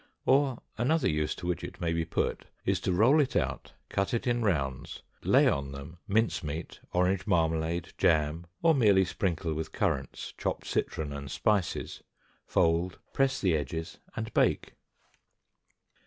Or, another use to which it may be put is to roll it out, cut it in rounds, lay on them mince meat, orange marmalade, jam, or merely sprinkle with currants, chopped citron, and spices, fold, press the edges, and bake.